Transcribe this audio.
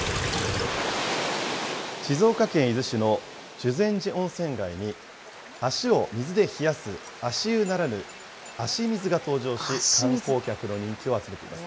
静岡県伊豆市の修善寺温泉街に、足を水で冷やす、足湯ならぬ、足水が登場し、観光客の人気を集めています。